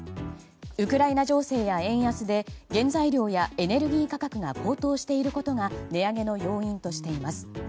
ウクライナ情勢や円安で原材料やエネルギー価格が高騰していることが値上げの要因としています。